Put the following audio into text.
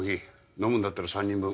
飲むんだったら３人分。